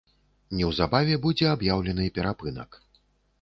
Неўзабаве будзе аб'яўлены перапынак.